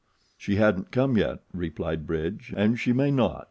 "She hasn't come yet," replied Bridge, "and she may not.